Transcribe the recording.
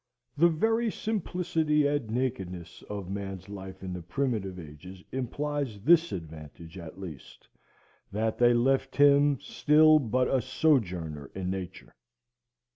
The very simplicity and nakedness of man's life in the primitive ages imply this advantage at least, that they left him still but a sojourner in nature.